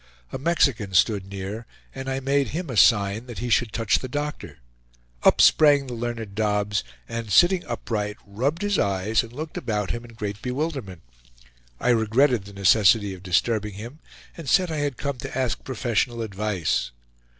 A Mexican stood near, and I made him a sign that he should touch the doctor. Up sprang the learned Dobbs, and, sitting upright, rubbed his eyes and looked about him in great bewilderment. I regretted the necessity of disturbing him, and said I had come to ask professional advice.